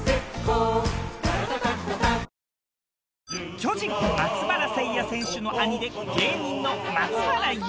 巨人・松原聖弥選手の兄で芸人の松原ゆい。